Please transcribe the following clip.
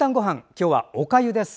今日はおかゆです。